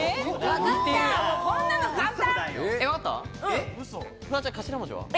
こんなの簡単。